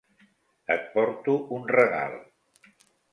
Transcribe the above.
Et porto un regal.